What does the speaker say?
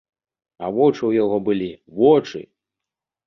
А вочы ў яго былі, вочы!